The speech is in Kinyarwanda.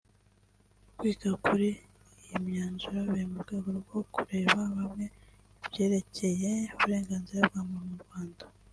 Kwiga kuri iyi myanzuro biri mu rwego rwo kurebera hamwe ibyerekeye uburenganzira bwa muntu mu Rwanda